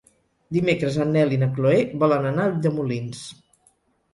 Dimecres en Nel i na Chloé volen anar a Ulldemolins.